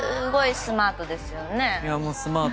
スマートですね。